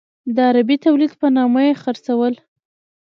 د عربي تولید په نامه یې خرڅول.